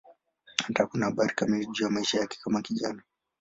Hakuna habari kamili juu ya maisha yake kama kijana.